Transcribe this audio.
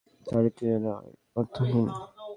তার ইন্তেজার অর্থহীন।